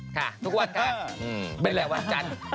ค่ะทุกวันค่ะเป็นแหละวันจันทร์